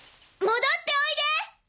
戻っておいで！